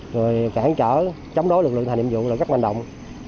người cản trở chống đối lực lượng thành nhiệm vụ là các hoạt động